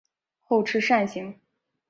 后翅扇形。